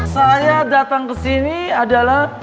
saya datang kesini adalah